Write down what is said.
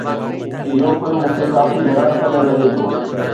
اهو پڻ مون کي ڪافي حيران ڪندڙ لڳي ٿو.